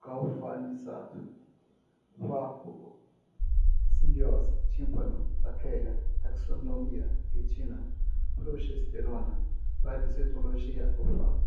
galvanizado, vacúolo, simbiose, tímpano, traqueia, taxonomia, retina, progesterona, parasitologia, olfato